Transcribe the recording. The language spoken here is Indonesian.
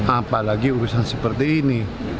apalagi urusan seperti ini